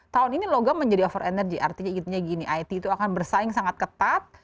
tahun ini logam menjadi over energy artinya gini it itu akan bersaing sangat ketat